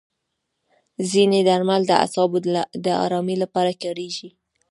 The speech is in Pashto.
ځینې درمل د اعصابو د ارامۍ لپاره کارېږي.